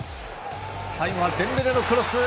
最後はデンベレのクロス。